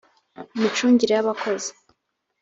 imicungire y’ abakozi